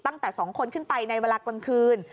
ตั้งแต่๒คนขึ้นไปในเวลากลางคืน